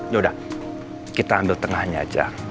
yaudah kita ambil tengahnya aja